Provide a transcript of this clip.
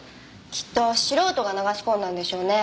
きっと素人が流し込んだんでしょうね。